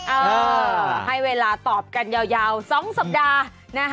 เออให้เวลาตอบกันยาว๒สัปดาห์นะคะ